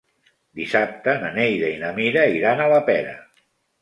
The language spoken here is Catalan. Dissabte na Neida i na Mira iran a la Pera.